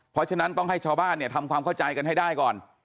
เพราะฉะนั้นต้องให้ชาวบ้านเนี่ยทำความเข้าใจกันให้ได้ก่อน